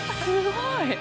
すごい。